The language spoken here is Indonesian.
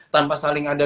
tanpa saling ada